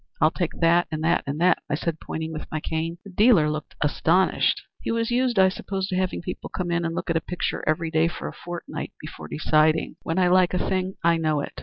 'I'll take that, and that, and that,' I said, pointing with my cane. The dealer looked astonished. He was used, I suppose, to having people come in and look at a picture every day for a fortnight before deciding. When I like a thing I know it.